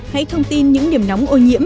hãy thông tin những điểm nóng ô nhiễm